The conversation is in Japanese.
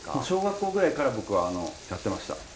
小学校ぐらいから僕はやってました。